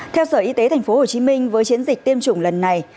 theo sở y tế tp hcm với chiến dịch tiêm chủng lần này